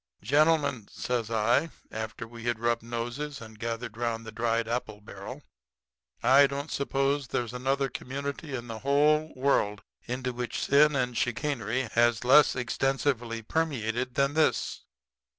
"'Gentlemen,' says I, after we had rubbed noses and gathered 'round the dried apple barrel. 'I don't suppose there's another community in the whole world into which sin and chicanery has less extensively permeated than this.